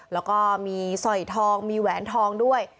แล้วก็มีสร้อยทองมีแหวนทองด้วย